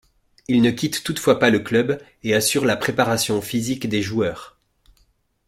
Il ne quitte toutefois pas le club et assure la préparation physique des joueurs.